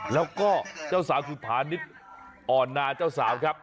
แล้วเจ้าสาวสุดภาณิเทอร์อ่อนหน้าเจ้าสาว